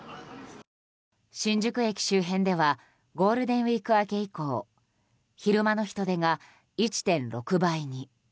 新宿駅周辺ではゴールデンウィーク明け以降昼間の人出が１．６倍に。